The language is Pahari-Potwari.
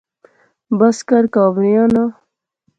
بس کر، کہاوریاں ناں